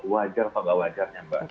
wajar atau tidak wajarnya mbak